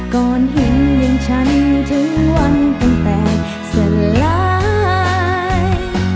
ก่อนเห็นอย่างฉันถึงวันตั้งแต่สลาย